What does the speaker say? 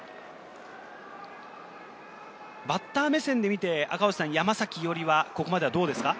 バッター目線で見て、山崎伊織はここまではどうですか？